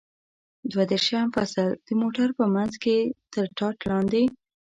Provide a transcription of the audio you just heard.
دوه دېرشم فصل: د موټر په منځ کې تر ټاټ لاندې.